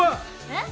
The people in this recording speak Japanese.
え？